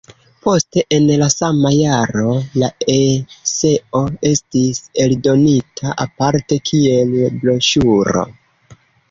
Poste en la sama jaro la eseo estis eldonita aparte kiel broŝuro.